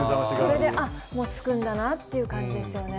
それで、もう着くんだなという感じですよね。